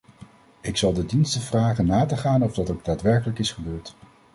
Ik zal de diensten vragen na te gaan of dat ook daadwerkelijk is gebeurd.